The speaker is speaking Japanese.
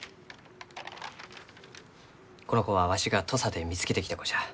この子はわしが土佐で見つけてきた子じゃ。